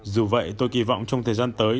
dù vậy tôi kỳ vọng trong thời gian tới